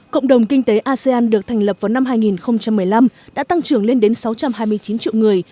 cộng đồng kinh tế asean được thành lập vào năm hai nghìn một mươi năm đã tăng trưởng lên đến sáu trăm hai mươi chín triệu người